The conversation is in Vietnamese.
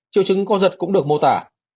triệu chứng con giật cũng được mô tả